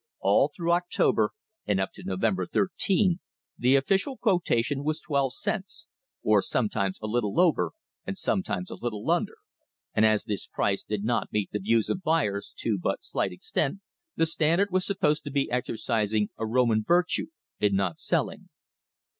All through October and up to November 13, the official quotation was 12 cents, or sometimes a little over and sometimes a little under, and as this price did not meet the views of buyers to but slight extent, the Standard were supposed to be exercising a Roman virtue in not selling.